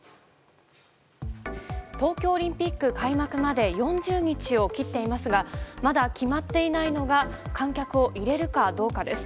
東京オリンピック開幕まで４０日を切っていますがまだ決まっていないのが観客を入れるかどうかです。